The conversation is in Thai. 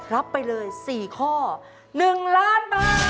รับไปเลย๔ข้อ๑ล้านบาท